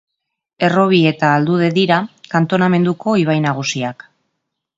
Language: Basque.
Errobi eta Aldude dira kantonamenduko ibai nagusiak.